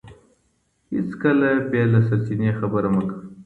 هیڅکله بې له سرچینې خبره مه کوئ.